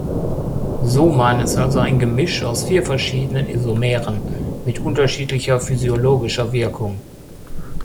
Soman ist also ein Gemisch aus vier verschiedenen Isomeren mit unterschiedlicher physiologischer Wirkung.